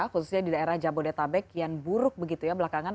khususnya di daerah jabodetabek kian buruk begitu ya belakangan